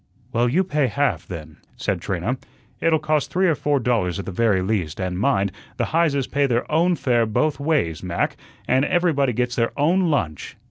"Well you pay half, then," said Trina. "It'll cost three or four dollars at the very least; and mind, the Heises pay their own fare both ways, Mac, and everybody gets their OWN lunch.